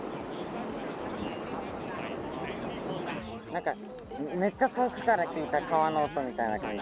なんかめっちゃ遠くから聞いた川の音みたいな感じ。